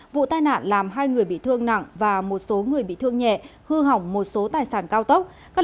vụ tai nạn làm hai người bị thương nặng và một số người bị thương nhẹ hư hỏng một số tài sản cao tốc